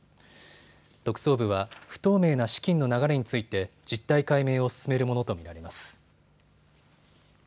特捜部は不透明な資金の流れについて実態解明を進めるものと見られます。